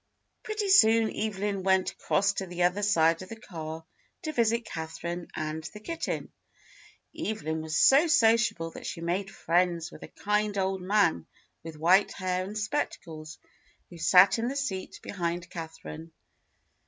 Pretty soon Evelyn went across to the other side of the car to visit Catherine and the kitten. Evelyn was so sociable that she made friends with a kind old man with white hair and spectacles, who sat in the seat behind Catherine.